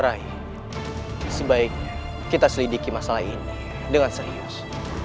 sebaik kita selidiki masalah ini dengan serius